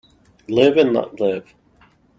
Live and let live.